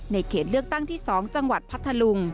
เขตเลือกตั้งที่๒จังหวัดพัทธลุง